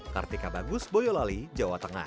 kartika bagus boyolali jawa tengah